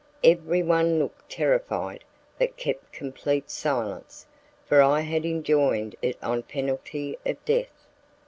Every one looked terrified but kept complete silence, for I had enjoined it on penalty of death.